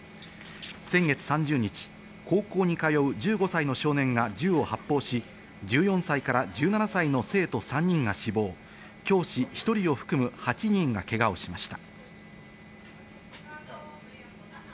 先月３０日、高校に通う１５歳の少年が銃を発砲し、１４歳から１７歳の生徒３人が死亡、教師１人を含む８人がけがをしました。